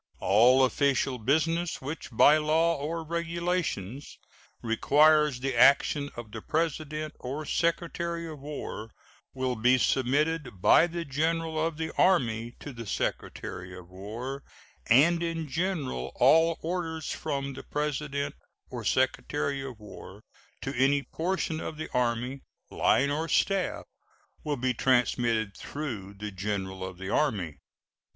All official business which by law or regulations requires the action of the President or Secretary of War will be submitted by the General of the Army to the Secretary of War, and in general all orders from the President or Secretary of War to any portion of the Army, line or staff, will be transmitted through the General of the Army.